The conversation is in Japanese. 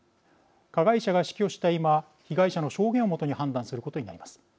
加害者が死去した今被害者の証言を基に判断することになります。